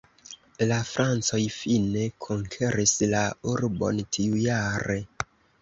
La francoj fine konkeris la urbon tiujare.